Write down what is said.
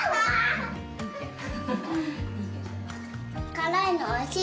辛いのおいしい？